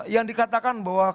yang dikatakan bahwa